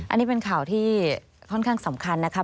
อันนี้เป็นข่าวที่ค่อนข้างสำคัญนะครับ